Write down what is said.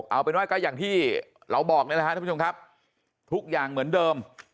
เอาไปหน่อยก็อย่างที่เราบอกนะครับทุกผู้ชมครับทุกอย่างเหมือนเดิม